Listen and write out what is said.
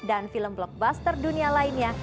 dan film blockbuster dunia lainnya